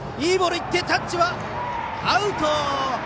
いいボールが行ってタッチはアウト！